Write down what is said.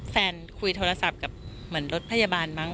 คุยโทรศัพท์กับเหมือนรถพยาบาลมั้ง